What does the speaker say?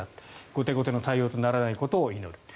後手後手の対応とならないことを祈る。